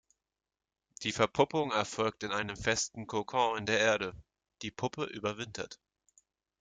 Die Verpuppung erfolgt in einem festen Kokon in der Erde, die Puppe überwintert.